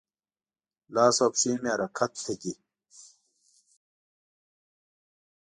لاس او پښې مې حرکت ته دي.